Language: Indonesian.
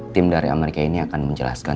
tim dari amerika ini akan menjelaskan